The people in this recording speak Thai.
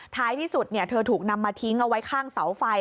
ท้ายที่สุดเธอถูกนำมาทิ้งเอาไว้ข้างเสาไฟ